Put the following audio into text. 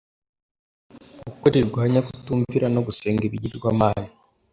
uko rirwanya kutumvira no gusenga ibigirwamana